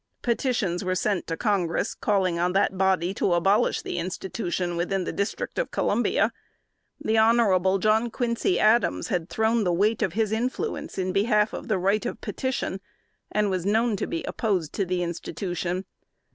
Petitions were sent to Congress calling on that body to abolish the institution within the District of Columbia. The Hon. John Quincy Adams had thrown the weight of his influence in behalf of the right of petition, and was known to be opposed to the institution.